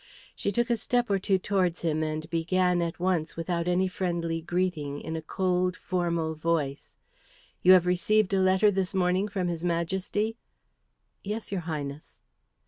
She took a step or two towards him and began at once without any friendly greeting in a cold, formal voice, "You have received a letter this morning from his Majesty?" "Yes, your Highness."